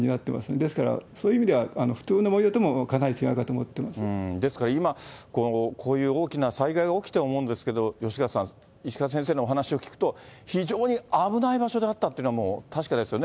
ですから、そういう意味では普通の盛り土ともかなり違うかと思っですから今、こういう大きな災害が起きて思うんですけれども、吉川さん、石川先生のお話を聞くと、非常に危ない場所であったというのは、もう確かですよね。